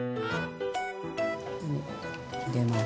入れます。